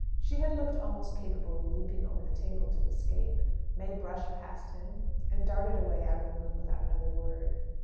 She had looked almost capable of leaping over the table to escape. May brushed past him, and darted away out of the room without another word.